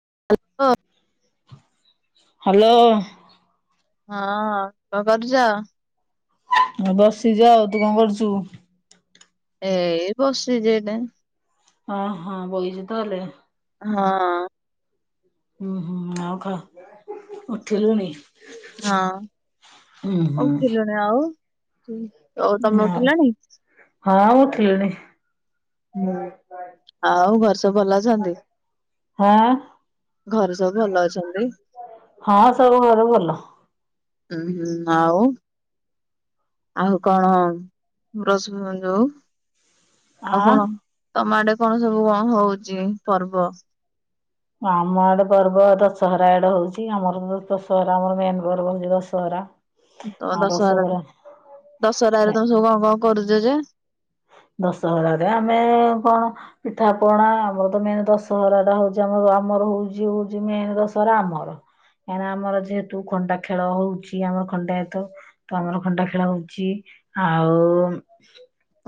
[unintelligible] Hello. ହଁ କ କରୁଛ? ଆ ବସିଛି ଆଉ ତୁ କଣ କରୁଛୁ? ଏଇ ବସିଛି ଏଇନେ। ହଁ ହଁ ବଇଛୁ ତାହେଲେ। ହଁ। ହୁଁ ହୁଁ ଆ ଖ ଉଠିଲୁଣି? ହଁ ହୁଁ ହୁଁ ଉଠିଲୁଣି ଆଉ। ତ ତମେ ଉଠିଲଣିି? ହଁ ମୁଁ ଉଠିଲିଣି। ହୁଁ ଆଉ ଘରେ ସବୁ ଭଲ ଅଛନ୍ତି। ହଁ ଘରେ ସବୁ ଭଲ ଅଛନ୍ତି? ହଁ ସବୁ ଘରେ ଭଲ। ହୁଁ ହୁଁ ଆଉ। ଆଉ କଣ ରଶୁଣ ଯୋଉ। ଆଉ ଆଁ କଣ ତମ ଆଡେ କଣ ସବୁ କଣ ହଉଛି ପର୍ବ? ଆମ ଆଡେ ପର୍ବ ଦଶହରା ଆଡେ ହଉଛି । ଆମର ତ ଦଶହରା ଆମର ମେନ ପର୍ବ ହଉଛି ଦଶହରା। ତମ ଦଶହରା ଦଶହରାରେ ତମେ ସବୁ କଣ କଣ କରୁଛ ଯେ? ଦଶହରାରେ ଆମେ କଣ ପିଠା ପଣା। ଆମର ତ ମେନ ଦଶହରାଟା ହଉଛି ଆମର ଆମ ହଉଛି ହଉଛି ମେନ୍ ଦଶହରା ଆମର। କାହିଁକିନା ଆମର ଯେହେତୁ ଖଣ୍ଡା ଖେଳ ହଉଛି। ଆମର ଖଣ୍ଡାୟତ ତ ଆମର ଖଣ୍ଡା ଖେଳ ହଉଛି। ଆଉ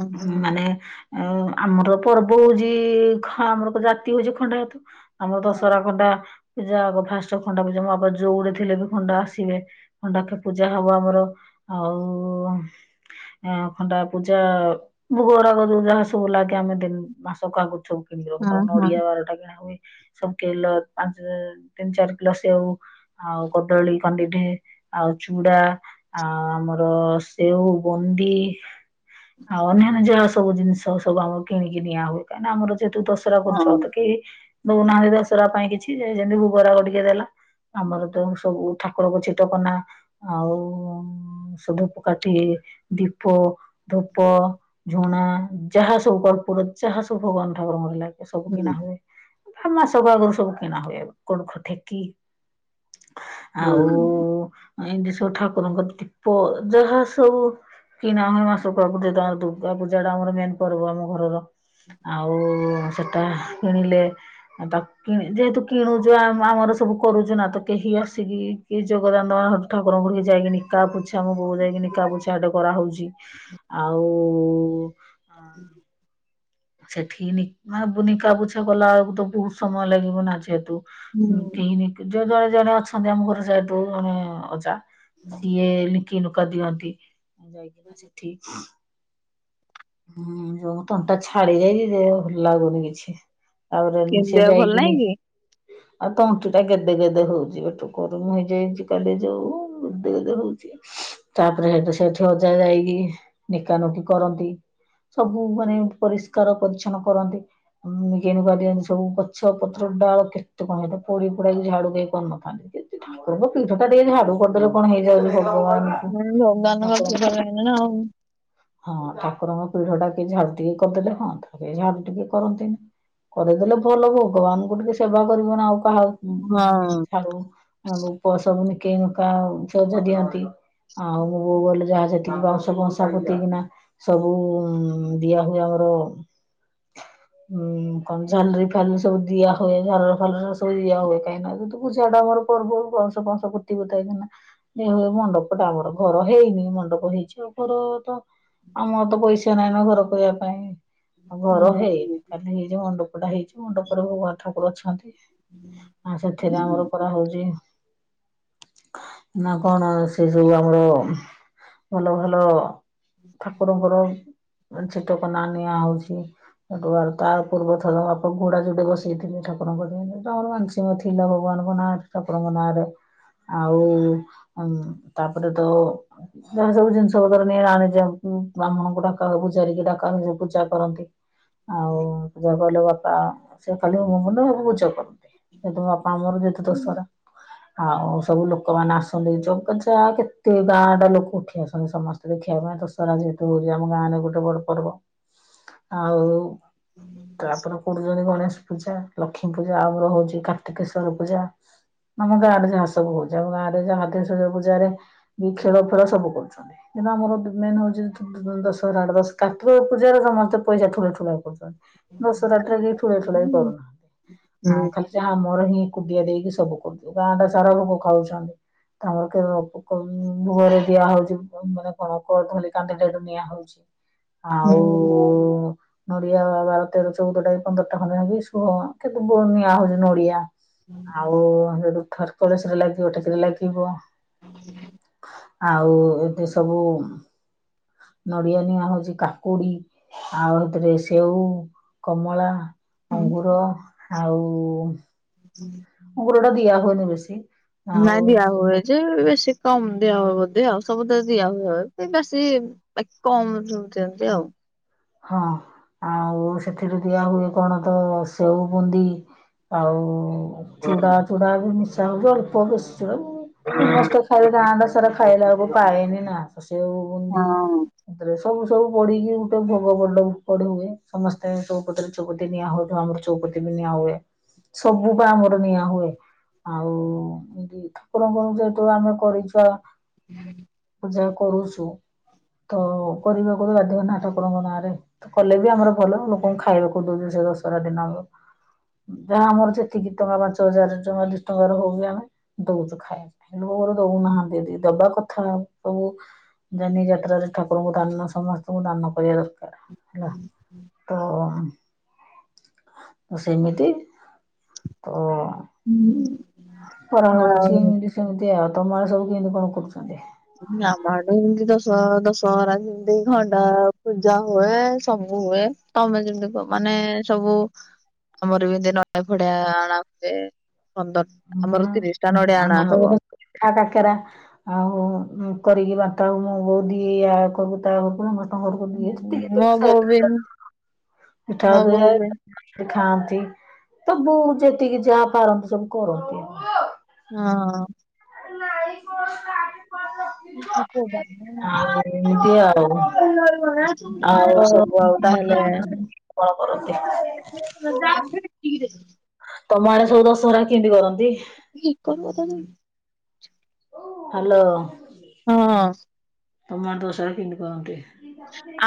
ଉଁ ହୁଁ ମାନେ ଆମର ପର୍ବ ହଉଛି ଖା ଆମର ଜାତି ହଉଛି ଖଣ୍ଡାୟତ ଆମର ଦଶହରା ଖଣ୍ଡା ପୂଜା ଆ ଫାଷ୍ଟ ଖଣ୍ଡା ପୂଜା ମ ଯୋଉଡେ ଥିଲେ ବି ଖଣ୍ଡା ଆସିବେ ଖଣ୍ଡା ପୂଜା ହବ ଆମର। ଆଉ ଖଣ୍ଡା ପୂଜା ଭୋଗରାଗ ଯୋଉ ଯାହା ସବୁ ଲାଗେ ଆମେ ଦି ମାସ କ ଆଗରୁ ସବୁ ହଁ [unintelligible] ହଁ ନଡିଆ ବାରଟା କିଣା ହୁଏ। ସବୁ କେଲ ପାଞ୍ଚ ତିନି ଚାରି କିଲୋ ସେଉ ଆଉ କଦଳୀ କାନ୍ଦିଟେ ଆଉ ଚୁଡା ଆ ଆମର ସେଉ ବୁନ୍ଦୀ ଆଉ ଅନ୍ୟାନ୍ୟ ଯାହା ସବୁ ଜିନିଷ ସବୁ ଆମ କିଣିକି ନିଆ ହୁଏ କାହିଁକି ଆମର ଯେହେତୁ ଦସହରା କରୁଛୁ ହଁ ଆଉ ତ କେହି ଦଉନାହାନ୍ତି ଦସହରା ପାଇଁ କିଛି ଯେମିତି ଭୁଗ ରାଗ ଟିକେ ଦେଲା। ଆମର ତ ସବୁ ଠାକୁରଙ୍କ ଛିଟ କନା ଆଉ ସେ ଧୂପକାଠି ଦୀପ ଧୂପ ଝୁଣା ଯାହା ସବୁ କର୍ପୁର ଯାହା ସବୁ ଭଗବାନ ଠାକୁରଙ୍କର ଲାଗେ ସବୁ ହୁଁ କିଣା ହୁଏ। ମାସକ ଆଗରୁ ସବୁ କିଣା ହୁଏ, କଣ ଠେକି ହୁଁ ଆଉ ଏମିତି ସବୁ ଠାକୁରଙ୍କ ଦୀପ ଯାହା ସବୁ କିଣା ହୁଏ ମାସ ପ୍ରକୃତି ଦୁର୍ଗା ପୂଜା ଟା ଆମର ମେନ୍ ପର୍ବ ଆମ ଘରର ଆଉ ସେଟା କିଣିଲେ ତାକୁ କିଣି ଯେହେତୁ କିଣୁଛୁ ଆମର ସବୁ କରୁଚୁ ନା ତ କେହି ଆସିକି କି ଯୋଗଦାନ ହେଟୁ ଠାକୁରଙ୍କୁ ବି ଯାଇକି ନିକା ପୋଛା ଛା ମୋ ବୋଉ ଯାଇକି ନିକା ପୋଛା ହେଟେ କରାହଉଚି ଆଉ ହଁ। ସେଠି ନି ନା ବୁ ନିକା ପୋଛା କଲା ଓଳୁକୁ ତ ବୋହୁତ ସମୟ ଲାଗିବ ନାଁ ଯେହେତୁ ଉଁ ହୁଁ କେହିନି ଯୋଉ ଜଣେ ଜଣେ ଅଛନ୍ତି ଆମ ଘରୁ ଯାଏ ତୁ ଆମେ ଅଜା ସିଏ ଲିକି ଲୁକା ଦିଅନ୍ତି ଯାଇକିନା ସେଠି। ହୁଁ ଯୋଉ ମୁଁ ତନଟା ଛାଡ଼ି ଯାଇଛିି ଭଲ ଲାଗୁନି କିଛି। ତାପରେ ନି କେମିତି ସିଏ ଆଉ ଭଲ ନାଇଁ ଯାଇକିନି କି? ଆଉ ତଣ୍ଟିଟା ଗେଦେ ଗେଦେ ହଉଚି ଏଟୁ ଗରମ ହେଇ ଯାଇଚି କାଲି ଯୋଉ ଗେଦେ ଗେଦେ ହଉଚି। ତାପରେ ହେଟୁ ସେଇଠି ଅଜା ଯାଇକି ନିକାନୁକି କରନ୍ତି। ସବୁ ମାନେ ଏମିତି ପରିଷ୍କାର ପରିଚଛନ୍ନ କରନ୍ତି ଉଁ ନିକେଇ ନୁକା ଦିଅନ୍ତି ସବୁ ଗଛ ପ ଚ ଡାଳ କେତେ କଣ ହେଇଥ ପଡ଼ି ପୁଡ଼ାକି ଝାଡ଼ୁ କେହି କରିନଥାନ୍ତି କେତେ ଓହୋ ପୀଠଟା ଟିକେ ଝାଡୁ କରିଦେଲେ କଣ ହେଇଯାଉଚି ଖା ଭଗବାନଙ୍କୁ ହୁଁ ଭଗବାନଙ୍କ ଠାକୁ କୃପା ପାଇଁ ନା ଆଉ। ହଁ ଠା ମୋ ପୀଢ଼ଟା କିଏ ଝାଡ଼ୁ ଟିକେ କରିଦେଲେ ହନ୍ତା ହାରି ଝାଡ଼ୁ ଟିକେ କରନ୍ତିନି। କରିଦେଲେ ଭଲ ଭଗବାନଙ୍କୁ ଟିକେ ସେବା କରିବନି ଆଉ ପାହ ଉଁ ଛାଡ଼ୁ ଉଁ ନୁକ ସବୁ ନିକେଇ ନୁକା ସଜ ଦିଅନ୍ତି। ଆଉ ମୋ ବୋଉ ଗଲେ ଯାହା ଯେତିକି ବାଉଁଶ ପଁସା ପୋତିକିନା ସବୁ ଦିଆ ହୁଏ ଆମର ଉଁ ଉଁ କମ୍ ଝାଲରି ଖାଲି ସବୁ ଦିଆ ହୁଏ ଝାଲର ଫାଲର ସ ସବୁ ଇଏ ହୁଏ କାହିଁକି ନା ଯେହେତୁ ପୂଜାଟା ଆମର ପର୍ବ ବାଉଁଶ ଫାଉଁଶ ପୋତିପୁତାଇକିନା ଯେ ହେ ମଣ୍ଡପଟା ଆମର ଘର ହେଇନି ମଣ୍ଡପ ହେଇଛି ଆଉ ଘର ତ ଆମର ତ ପଇସା ନାଇଁ ନ ଘର କରିବା ପାଇଁ ଆଉ ଘର ହେଇନି ଖାଲି ହେଇଯୋଉ ମଣ୍ଡପ ଓଟା ହେଇଚି ମଣ୍ଡପରେ ଭଗବାନ ଠାକୁର ଅଛନ୍ତି ଆଉ ସେଥିରେ ଆମର ପରା ହୋଉଚି [inaudible] ନାଁ କଣ ଆଉ ସେଇ ସବୁ ଆମର ଭଲ ଭଲ ଗୋ ଛିଟ କନା ନିଆ ହଉଛି। ହେଠୁ ଆଉ ତା ପୂର୍ବ ଥର ବାପ ଘୋଡ଼ା ଯୋଡ଼େ ବସେଇ ଥିନି ଠାକୁରଙ୍କ ଡେଇଁ ଯୋଉଟା ଆମର ମାନସିକ ଥିଲା ଭଗବା ନୋକ ନାହାନ୍ତି ଠାକୁରଙ୍କ ନାଁରେ ଆଉ ଆ ତାପରେ ତ ଯାହା ସବୁ ଜିନିଷ ପତର ନେଇ ଆଣି ଯାଉଁ ଉଁ ବାହ୍ମୁଣଙ୍କୁ ଡାକା ହୁଏ ପୂଜାରିକି ଡାକା ହୁଏ ସେ ପୂଜା କରନ୍ତି। ଆଉ ପୂଜା କଲୁ ବାପା ସିଏ ଖାଲି ହୋମ କରଦେଲେ ହେଠୁ ପୂଜା କଲୁ। ଯେତୁ ବାପା ଆମର ଯେତୁ ଦଶରା ଆଉ ସବୁ ଲୋକମାନେ ଆସନ୍ତି ଯୋଉ କା ଯା କେତେ ଗାଁଟା ଲୋକ ଉଠି ଆସନ୍ତି ସମସ୍ତେ ଦେଖିବା ପାଇଁ ଦଶ୍ କରା ଯେହେତୁ ହୋଉଚି ଆମ ଗାଁରେ ଗୋଟେ ବଡ଼ ପର୍ବ ଆଉ ତାପରେ ପଡ଼ୁଚନ୍ତି ଗଣେଶ ପୂଜା, ଲକ୍ଷ୍ମୀ, ପୂଜା ଆଉ ମୋର ହୋଉଚି କାର୍ତିକେଶ୍ଵର ପୂଜା। ଆମ ଗାଁରେ ଯାହା ସବୁ ହଉଚି, ଆମ ଗାଁରେ ଯା ଅଧିକ ଶୁଣିବ ପୂଜାରେ ବି ଖେଳ ଫେଳ ସବୁ କରୁଛନ୍ତି କିନ୍ତୁ ଆମର ଡେ ମେନ୍ ହଉ ଦଶହରା ଆଠ ଦଶ କାଠ ପୂଜାରେ ସମସ୍ତେ ପଇସା ଠୁଲା ଠୁଲା କରୁଛନ୍ତି। ଦଶରରା ଠାରି ଠୁଳେଇ ଠୁଳେଇ କରୁନାହାନ୍ତି ଆଉ ଖାଲି ଯାହା ଆମର ହିଁ କୁଡ଼ିଆ ଦେଇକି ସବୁ କରୁୁଚୁ ଗାଁ ଟା ସାରା ଲୋକ ଖାଉଛନ୍ତି। ତମର କେବେ କ ଉଁ ଘରେ ଦିଆ ହଉଚି ଅମ୍ ମାନେ କଣ କଦଳୀ। କାନ୍ଧିଟେ ଏଟୁ ନିଆ ହଉଚି ଆଉ ନଡ଼ିଆ ବା ବାର ତେର ଚଉଦଟା ଇ ପନ୍ଦରଟା ଖଣ୍ଡେ କି ଶୁହ କେତେ ବୋ ନିଆ ହଉଚି ନଡ଼ିଆ। ଆଉ ହେଟୁ ଥରକରେ ସେଟା ଲାଗିବ ଟେକିରେ ଲାଗିବ। ଆଉ ଏବେ ସବୁ ଉଁ ନଡ଼ିଆ ନିଆ ହଉଚି କାକୁଡ଼ି ଆଉ ହେତିରେ ସେଉ କମଳା ଅଙ୍ଗୁର ଆଉ ଗୁଡ ଟା ଦିଆ ହୁଏନି ବେଶି। ନାଇଁ ଦିଆ ହୁଏ ଯେ ବେଶି । କମ ଦିଆ ହୁଏ ବୋଧି ଆଉ ସବୁ ତ ଦିଆ ହୁଏ କି ବେଶୀ ବାକି କମ ଯୋଉ ଦିଅନ୍ତି ଆଉ। ହଁ ଆଉ ସେଥିରୁ ଦିଆ ହୁଏ କଣ ତ ସେଉ ବୁନ୍ଦି। ଆଉ ଚୁଡା ଚୁଡା ବି ମିଶା ହଉଛି ଅଳ୍ପ ବେଶି ଚୁଡା। ସମସ୍ତେ ଖାଇଲେ ଗାଁ ଟା ସାରା ଖାଇଲା ବେଳକୁ ପାଏନି ନା ତ ସେଉ ବୁନ୍ଧି। ସବୁ ସବୁ ପଡ଼ିକି ଗୋଟେ ଭୋ ଗୋବର ସବୁ ପଢୁ ହୁଏ ସମସ୍ତେ ଚୌପତି ରେ ଚୌପତି ନିଆ ହଉ ଆମର ଚୌଉପତି ବି ନିଆ ହୁଏ। ସବୁ ପା ଆମର ନିଆ ହୁଏ। ଆଉ ଇଁତି ଠାକୁରଙ୍କର ଯେହେତୁ ଆମେ କରିଛ। ହୁଁ। ଯାହା କରୁଛୁ ତ କରିବାକୁ ବି ବାଧ୍ୟ ନା। ଠାକୁରଙ୍କ ନାଁରେ ତ କଲେ ବି ଆମର ଭଲ ଲୋକଙ୍କୁ ଖାଇବାକୁ ଦଉଛୁ ସେଇ ଦଶରା ଦିନ ଆମର । ଯାହା ଆମର ଯେତିକି ଟଙ୍କା ପାଞ୍ଚ ହଜାର ଟଙ୍କା ଦି ଟଙ୍କା ର ହଉ କି ଆମେ ଦଉଛୁ ଖାଇବା ପାଇଁ । ମୋର ଦଉନାହାନ୍ତି ଯେତିକି ଦବା କଥା ସବୁ। ଜାନି ଯାତ୍ର ରେ ଠାକୁରଙ୍କୁ ଦାନ ସମସ୍ତଙ୍କୁ ଦାନ। କରିବା ଦରକାର ହେଲା ତ। ତ ସେମିତି ତ। ହୁଁ। କରା ହଉଛି ଇଁତି ସେମିତି ଆଉ ତମ ଆଡେ ସବୁ କେମିତି କଣ କରୁଛନ୍ତି। ଆମ ଆଡେ ଏମିତି ଦଶ ଦଶହରା ଯେମିତି ଖଣ୍ଡା ପୂଜା ହୁଏ ସବୁ । ହୁଏ ତମେ କେମିତି କଁ ମାନେ ସବୁ। ଆମର ବି ଏମତି ନଡିଆ ଫଡିଆ ଆଣା ହୁଏ ପନ୍ଦର ଆମର । ହ ଆମ ର ତ ପିଠା କାକେରା ଆଉ କରିକି ବାଣ୍ଟା ହବ ମୋ ବୋଉ ଦିଏ ୟା କରୁକୁ ତା ଘ୍ [inaudible] ଏଠା। ମୋ ବୋଉ ବି ମୋ ବୋଉ ବି ଖାଆନ୍ତି ତ ବୋଉ ଯେତିକି ଯାହା ପାରନ୍ତି ସବୁ କରନ୍ତି ଆଉ। ହଁ। [inaudible] [inaudible] ଆଉ ଏମିତି ଆଉ ଆଉ ତ ସବୁ ଆଉ ତା ହେଲେ। କଣ କରନ୍ତି । [inaudible] ତମ ଆଡେ ସବୁ ଦଶହରା କେଏଁତି କରନ୍ତି । [unintelligible] ହା ଲୋ । ହଁ । ତମ ଆଡେ ଦସରା କେନ୍ତି କରନ୍ତି।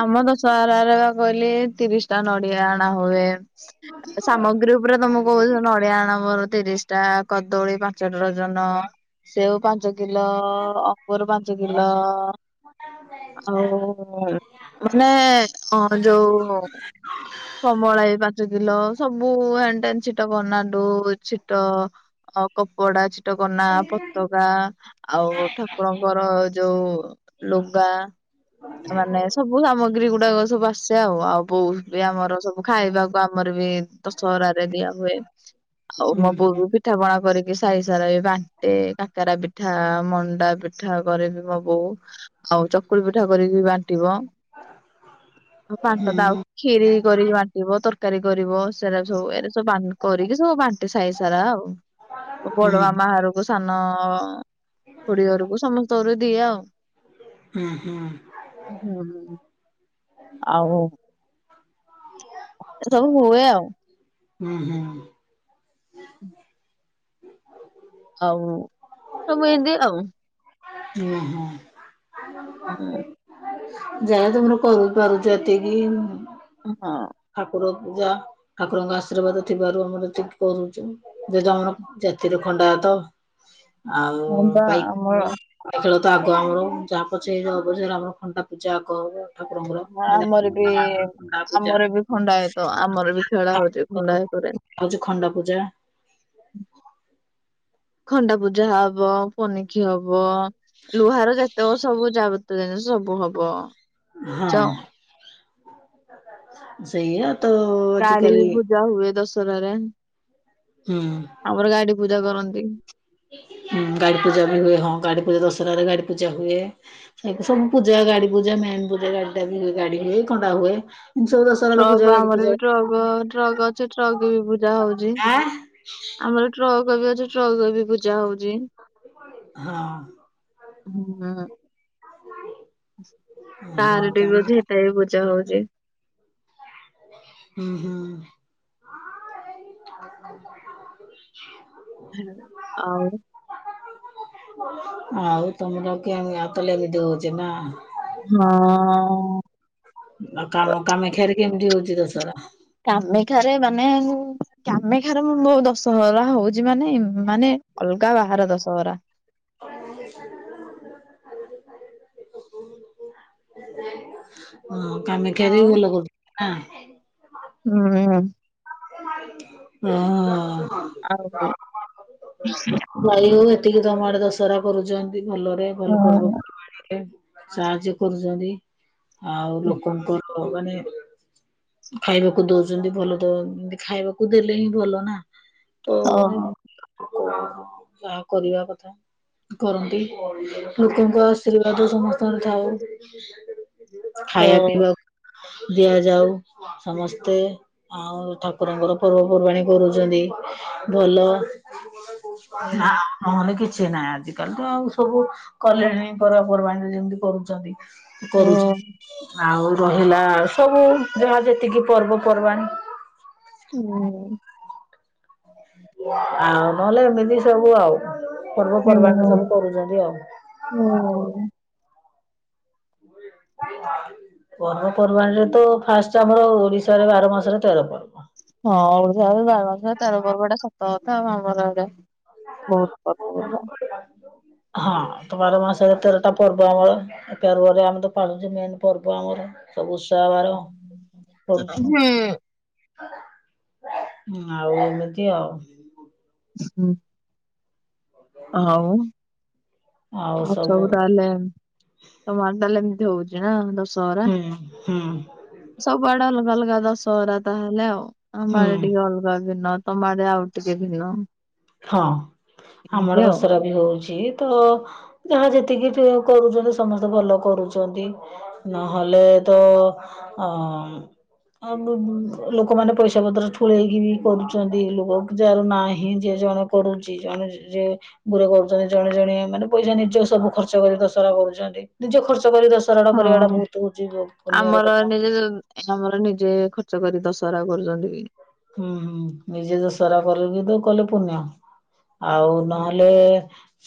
ଆମ ଦଶହରା ରେ ବା କହିଲେ ତିରିଶ ଟା ନଡିଆ ଆଣା ହୁଏ । ସାମଗ୍ରୀ ଉପରେ ତମକୁ କହୁଛି ନଡିଆ ଆଣବର । ତିରିଶ ଟା କଦଳୀ ପାଞ୍ଚ ଡରଜନ ସେଉ ପାଞ୍ଚ କିଲୋ ଅଙ୍ଗର ପା ଞ୍ଚ କିଲ। ଯ ମାନେ ଅ ଯୋଉ କମଳା ଇ ପାଞ୍ଚ କିଲୋ । ସବୁ ହେନ ଟେନ ଛିଟ କନା ଟୁ ଛିଟ କପଡା । ଛିଟକନା ପତାକା ଆଉ ଠାକୁରଙ୍କ ର ଯୋଉ ଲୁଗା । ମାନେ । ସାମଗ୍ରୀ ଗୁଡାକ ସବୁ ଆସେ ଆଉ ଆଉ ବୋଉ ବି ଆମର ସବୁ ଖାଇବାକୁ ଆମର ବି ଦଶହରାରେ । ଦିଆ ହୁଏ ଆଉ ହୁଁ ମୋ ବୋଉ ବି ପିଠା ପଣା । କରିକି ସହି ସାରା ବି ବାଣ୍ଟେ କାକରା ପିଠା ମଣ୍ଡା ପିଠା କରେ ବିି ମୋ ବୋଉ । ଆଉ ଚକୁଳି ପିଠା କରିକି ବାଣ୍ଟିବ । ବାଣ୍ଟନ ଆଉ ହୁଁ କ୍ଷୀରି କରିକି ବାଣ୍ଟିବ ତ ତରକାରୀ କରିବ ସେଟା ସବୁ ଏର ସବୁ କରିକି ସବୁ ବାଣ୍ଟେ ସାଇ ସାରା ଆଉ। ହୁଁ ବଡ଼ ମାମା ଘରକୁ ସାନ ଖୁଡି ଘରକୁ ସମସ୍ତଙ୍କ ଦି ଆଉ। ହୁଁ ହୁଁ। ହୁଁ ହୁଁ। ଆଉ। ସବୁ ହୁଏ ଆଉ। ହୁଁ ହୁଁ। ହୁଁ। ଆଉ ସବୁ ଏନ୍ତି ଆଉ। ଉହୁ। ହୁଁ। ଯାହା ତମର କରପାରୁଛ ଏତିକି ହଁ। ପୂ ଯା ଠାକୁରଙ୍କ ଆଶୀର୍ବାଦ ଥିବାରୁ ଆମର ଯେତିକି କରୁଛୁ ଯଦି ଆମର ଜାତିର ଖଣ୍ଡା ହେତ ହଁ। ଆଉ ବା ବାଇକ୍ ଆମର ଆମ ବ ଖେଳ ତ ଆଗ ଆମର ଯାହା ପଛେ ଅବରେ ଆମର ଖଣ୍ଡା ପୂଜା କବ ଠାକୁରଙ୍କର ହଁ ଆମର ବି ଜେନ୍ତୀ ଆମର ଗାଁ ପୂଜା ଆମର ବି ଖଣ୍ଡାୟତ ଆମର ବି ଖେଳା ହଉଛି [unintelligible] ଖଣ୍ଡାୟତରେ। ହଉଛି ଖଣ୍ଡ ପୂଜା ଖଣ୍ଡା ପୂଜା ହବ ପନିକି ହବ ଲୁହାର ଯ ତ ସବୁ ଯାବତୀୟ ଜିନିଷ ସବୁ ହବ। ପୂଜା ହଁ ଆଉ। ସେଇଆ ତ ଗାଡି ବି ଆଜିକାଲି ପୂଜା ହୁଏ ଦଶହରାରେ ହୁଁ। ଆମର ଗାଡି ପୂଜା କରନ୍ତି। ହୁଁ ଗାଡି ପୂଜା ବି ହୁଏ। ହଁ ଗାଡି ପୂଜା ଦଶହରାରେ ଗାଡି ପୂଜା ହୁଏ ଏମତି ସବୁ ପୂଜା ଗାଡି ପୁଜା ମେନ୍ ପୁଜା ଗାଡି ଟା ବି ହୁଏ ଗାଡି ହୁଏ କଣ୍ଟା ହୁଏ। ସବୁ ଦଶହରାରେ ପୂଜା ଟ୍ରକ ଗାଡି ଆମର ପୂଜା ବି ଟ୍ରକ ଟ୍ରକ ଅଛି ଟ୍ରକ ବି ପୂଜା ହଉଛି। ଆଁ ଆମର ଟ୍ରକ୍ ବି ଅଛି। ଚୌଦବୀ ପୂଜା ହଉଚି। ହୁଁ। ହଁ ହଁ କାରଟେବି ତାହେଲେ ଅଛି ହେଟା ବି ପୂଜା ହଉଛି। ହୁଁ ହୁଁ। ଆଉ। ଆଉ ତମର କେମ ଆ କହିଲେ ଏମିତି ହୋଉଛି ନା? ହଁ। ଆଉ କା କାମେଖ୍ୟରେ କେମିତି ହେଉଛି ଦଶହରା? କାମେଖାରେ ମାନେ କାମେଖାରେ ମ ମୁ ଦଶହରା ହଉଛି ମାନେ ମାନେ ଅଲଗା ବାହାର ଦଶହରା। [inaudible] ହଁ କାମାକ୍ଷାରେବି ଆଉ ଭଲ କରୁଛନ୍ତି ନା ହୁଁ। ହଁ। ଆଉ ହୋ ଯାଇ ହଉ ଏତିକି ତମ ଆଡେ ଦଶହରା କରୁଛନ୍ତି ଭଲରେ ଭଲ ହଁ ପର୍ବପର୍ବାଣିରେ ସାହାଯ୍ୟ କରୁଛନ୍ତି ଆଉ ଲୋକଙ୍କର ମାନେ ଖାଇବାକୁ ଦଉଛନ୍ତି ଭଲ ଦ ଖାଇବାକୁ ଦେଲେ ହିଁ ଭଲ ନା ତ ଓହୋ। ଯାହା କରିବା କଥା କରନ୍ତି। ଲୋକଙ୍କ ଆଶୀର୍ବାଦ ସମସ୍ତଙ୍କ ଥାଉ ଖାଇବା ହଁ। ପିଇବାକୁ ଦିଆଯାଉ ସମସ୍ତେ ଆଉ ଠାକୁରଙ୍କର ପର୍ବପର୍ବାଣୀ କରୁଛନ୍ତି । ଭଲ ନା ନହେଲେ କିଛି କିଛି ନାହିଁ ଆଜିକାଲି ତ ଆଉ ସବୁ କଲେଣି ପର୍ବାପର୍ବାଣୀରେ ଯେମିତି କରୁଚନ୍ତି । ହୁଁ। ଆଉ ରହିଲା ସବୁ ଯାହା ଯେତିକି ପର୍ବପର୍ବାଣି ହୁଁ। ଆଉ ନହେଲେ ଏମିତି ସବୁ ଆଉ। ହୁଁ ପର୍ବପର୍ବାଣିରେ ହୁଁ ସବୁ କରୁଚନ୍ତି ଆଉ। ହଁ [inaudible] ପର୍ବପର୍ବାଣିରେ ତ ଫାଷ୍ଟ ଆମର ଓଡିଶାରେ ବାର ମାସରେ ତେର ପର୍ବ ହଁ ଓଡିଶା ବାର ମାସ ତାର ପର୍ବଟେ ସତ କଥା ଆବ ଆମର ଏଇଟେ ବହୁତ [unintelligible] ହଁ ତ ବାର ମାସରେ ତେରଟା ପର୍ବ ଆମର ଏ ପର୍ବରେ ଆମେ ତ ପାଳୁଛେ ମେନ ପର୍ବ ଆମର ସବୁ ଓଷା ବାର କରୁଛୁ । ଆଉ ଏମିତି ଆଉ ହୁଁ। ହଉ ଆଉ ସବୁ ତାହେଲେ ତମର ତାହେଲେ ଏମିତି ହଉଛି ନା ଦଶହରା ହୁଁ ହୁଁ ସବୁ ଆଡେ ଅ ଅଲଗା ଦଶହରା ତାହେଲେ ଆଉ ହୁଁ ଟିକେ ଅଲଗା ଦିନ ତମ ଆଡେଟିକେ ଭିନ୍ନ ହଁ ଏମିତି ଆମର ଆଉ। ଦସରା ବି ହଉଚି ତ ଯାହା ଯେତିକି କରୁଚନ୍ତି ସମସ୍ତେ ଭଲ କରୁଛନ୍ତି ନହେଲେ ତ ଅ ଆଉ ଲୋକମାନେ ପଇସା ପତ୍ର ଠୁଳେଇକି ବି କରୁଛନ୍ତି ଲୋକ ଯାହାର ନାହିଁ । ଯିଏ ଜଣେ କରୁଛି ଜଣେ ଯିଏ ଗୁୁରେ କରୁଛନ୍ତି ଜଣେ ଜଣେ ମାନେ ପଇସା ନିଜ ସବୁ ଖର୍ଚ୍ଚ କରି ଦ କରୁଛନ୍ତି ନିଜ ଖର୍ଚ୍ଚ କରି ଦଶହରାଟା କରିବାଟା ହଁ ବହୁତ ହଉଛି ପୁଣ୍ୟର ଆମର କଥା ନିଜେ ଆମର ନିଜେ ଖର୍ଚ୍ଚ କରି ଦ ସାରା କରୁଛନ୍ତି କି? ହୁଁ ହୁଁ ନିଜେ ଦସହରା କରିକି ତ କଲେ ପୁଣ୍ୟ। ଆଉ ନହେଲେ